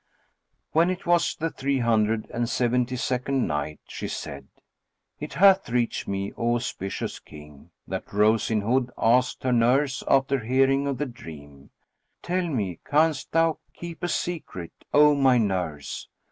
When it was the Three Hundred and Seventy second Night, She said, It hath reached me, O auspicious King, that Rose in Hood asked her nurse after hearing of the dream, "Tell me, canst thou keep a secret, O my nurse?"